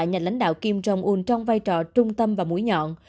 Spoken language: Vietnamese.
nhà lãnh đạo kim jong un trong vai trò trung tâm và mũi nhọn